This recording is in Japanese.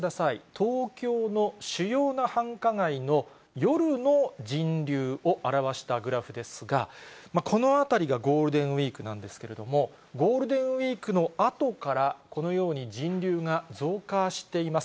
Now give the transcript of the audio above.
東京の主要な繁華街の夜の人流を表したグラフですが、このあたりがゴールデンウィークなんですけれども、ゴールデンウィークのあとから、このように人流が増加しています。